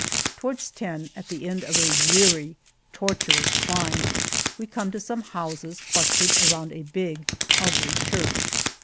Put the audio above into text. Toward ten, at the end of a weary, tortu ous climb, we come to some houses clustered around a big, ugly church.